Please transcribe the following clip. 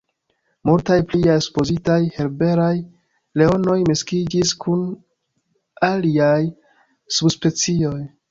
Multaj pliaj supozitaj berberaj leonoj miksiĝis kun aliaj subspecioj.